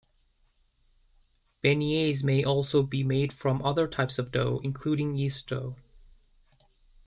Beignets may also be made from other types of dough, including yeast dough.